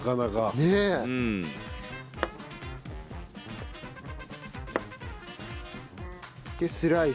ねえ。でスライス？